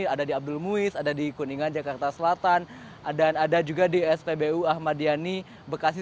ada di abdul muiz ada di kuningan jakarta selatan dan ada juga di spbu ahmadiyani bekasi